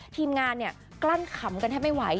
ทีมงานเนี่ยกลั้นขำกันให้ไม่ไหว